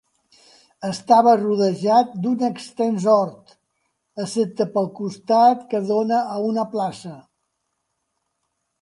Estava rodejat d'un extens hort excepte pel costat que dóna a una plaça.